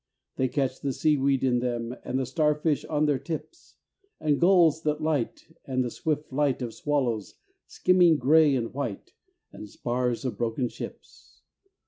They catch the seaweed in them And the starfish on their tips, And gulls that light And the swift flight Of swallows skimming grey and white And spars of broken ships.